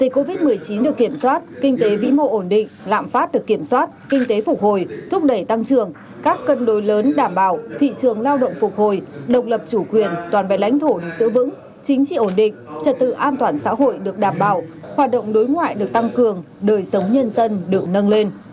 dịch covid một mươi chín được kiểm soát kinh tế vĩ mô ổn định lạm phát được kiểm soát kinh tế phục hồi thúc đẩy tăng trưởng các cân đối lớn đảm bảo thị trường lao động phục hồi độc lập chủ quyền toàn vẹn lãnh thổ được giữ vững chính trị ổn định trật tự an toàn xã hội được đảm bảo hoạt động đối ngoại được tăng cường đời sống nhân dân được nâng lên